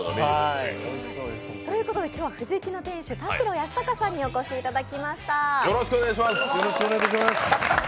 今日は富士きの店主・田城康隆さんにお越しいただきました。